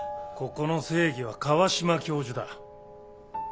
ここの正義は川島教授だ。